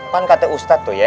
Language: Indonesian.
pan kata ustadz tuh ya